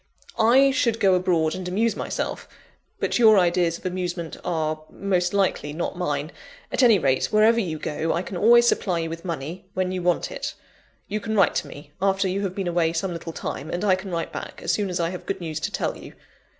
I should go abroad and amuse myself; but your ideas of amusement are, most likely, not mine. At any rate, wherever you go, I can always supply you with money, when you want it; you can write to me, after you have been away some little time, and I can write back, as soon as I have good news to tell you.